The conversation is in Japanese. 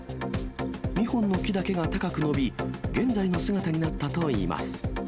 ２本の木だけが高く伸び、現在の姿になったといいます。